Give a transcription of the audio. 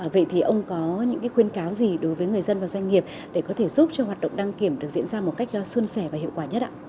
vậy thì ông có những khuyên cáo gì đối với người dân và doanh nghiệp để có thể giúp cho hoạt động đăng kiểm được diễn ra một cách xuân sẻ và hiệu quả nhất ạ